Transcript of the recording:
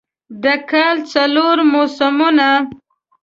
د کال څلور موسمونه